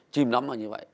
chìm nắm vào như vậy